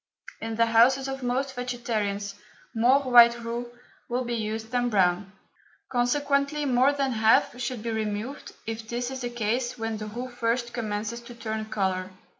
In the houses of most vegetarians more white roux will be used than brown, consequently more than half should be removed if this is the case when the roux first commences to turn colour.